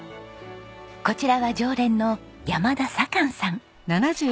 こちらは常連の山田盛さん。